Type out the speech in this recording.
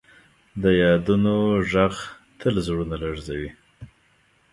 د یادونو ږغ تل زړونه لړزوي.